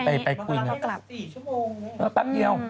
ไปกลุ่มแค่นี้